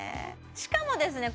しかもですね